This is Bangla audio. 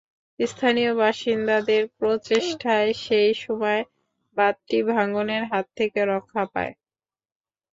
স্থানীয় বাসিন্দাদের প্রচেষ্টায় সেই সময় বাঁধটি ভাঙনের হাত থেকে রক্ষা পায়।